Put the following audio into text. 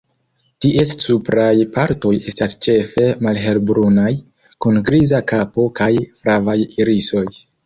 Ties supraj partoj estas ĉefe malhelbrunaj, kun griza kapo kaj flavaj irisoj.